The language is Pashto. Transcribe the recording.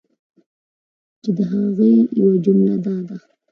چی د هغی یوه جمله دا ده